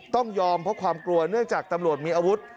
ต้องยอมเพราะความกลัวเนื่องจากตำรวจมีอาวุธ